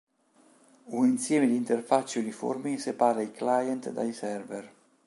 Un insieme di interfacce uniformi separa i client dai server.